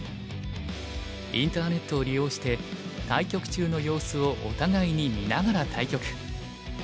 インターネットを利用して対局中の様子をお互いに見ながら対局。